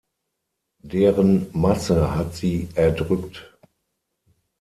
Deren Masse hat sie erdrückt.